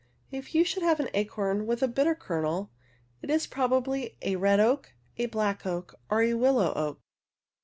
If you should have an acorn with a bitter kernel, it is probably a red oak, a black oak or a willow oak.